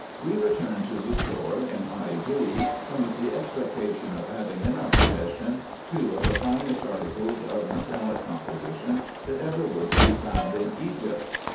We returned to Luxor in high glee, from the expectation of having in our possession two of the finest articles of metallic composition, that ever were to be found in Egypt.